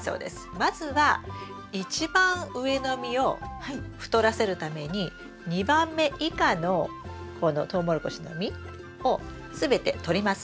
まずは一番上の実を太らせるために２番目以下のこのトウモロコシの実を全て取ります。